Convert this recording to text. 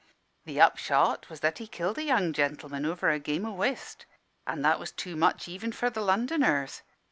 "The upshot was that he killed a young gentleman over a game o' whist, an' that was too much even for the Londoners.